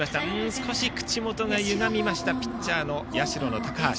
少し口元がゆがみましたピッチャー、社の高橋。